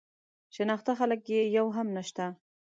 شناخته خلک یې یو هم نه شته.